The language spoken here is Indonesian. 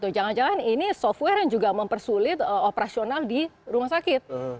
jangan jangan ini software yang juga mempersulit operasional di rumah sakit